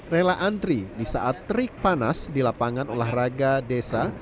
rela antri di saat terik panas di lapangan olahraga desa